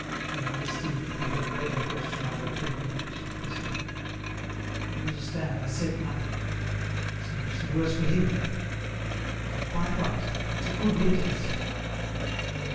Then Aristide, who had read her question on her quivering lips, whispered: "You understand, I said nothing—so much the worse for him! I did quite right. It's a good riddance."